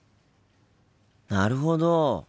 なるほど。